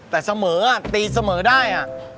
แต่เสมอตีเสมอได้